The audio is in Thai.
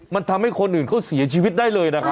มันทำให้คนอื่นเขาเสียชีวิตได้เลยนะครับ